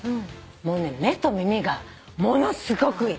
もう目と耳がものすごくいい。